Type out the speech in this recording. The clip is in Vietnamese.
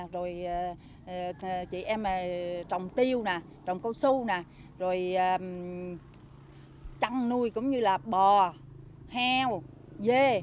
rồi chị em trồng tiêu trồng câu su rồi trăng nuôi cũng như là bò heo dê